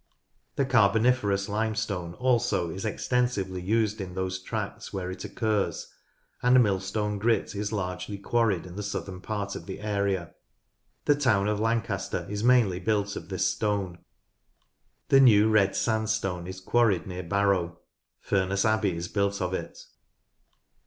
The Carboniferous Limestone also is extensively used in those tracts where it occurs, and Millstone Grit is largely quarried in the southern part of the area. The town of Lancaster is mainly built of this stone. The New Red Sandstone is quarried near Barrow. Furness Abbey is built of it.